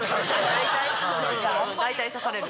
大体？大体刺される。